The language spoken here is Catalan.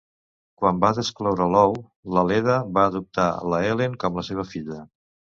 Quan va descloure l'ou, la Leda va adoptar la Helen com la seva filla.